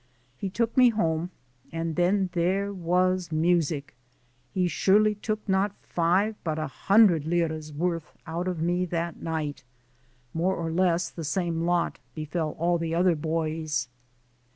He took me home and then there was music ; he surely took not five but a hundred lire's worth out of me that night. More or less the same lot befell all the other boys.